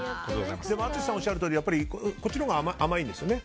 淳さんがおっしゃるとおりこっちのほうが甘いんですよね？